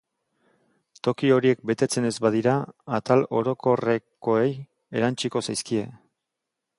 Toki horiek betetzen ez badira, atal orokorrekoei erantsiko zaizkie.